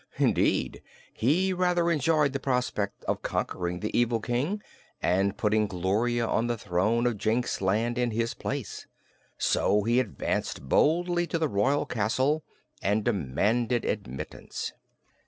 Indeed, he rather enjoyed the prospect of conquering the evil King and putting Gloria on the throne of Jinxland in his place. So he advanced boldly to the royal castle and demanded admittance.